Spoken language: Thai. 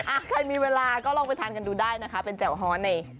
อ่ะใครมีเวลาก็ลองไปทานกันดูได้นะคะเป็นแจ่วฮ้อใน